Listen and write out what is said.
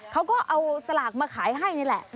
เขาก็เอาสลากมาขายให้นี่แหละ